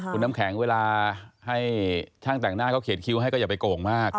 คุณน้ำแข็งเวลาให้ช่างแต่งหน้าเขาเขียนคิวให้ก็อย่าไปโก่งมาก